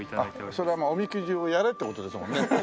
それはおみくじをやれって事ですもんね。